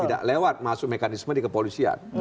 tidak lewat masuk mekanisme di kepolisian